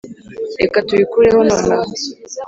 reka tubikureho nonaha.